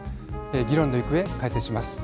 議論の行方、解説します。